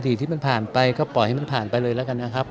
สิ่งที่มันผ่านไปก็ปล่อยให้มันผ่านไปเลยแล้วกันนะครับ